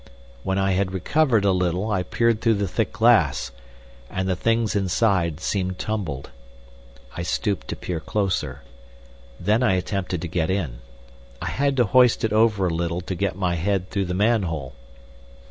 When I had recovered a little I peered through the thick glass, and the things inside seemed tumbled. I stooped to peer closer. Then I attempted to get in. I had to hoist it over a little to get my head through the manhole.